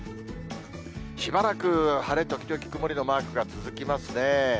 しばらく晴れ時々曇りのマークが続きますね。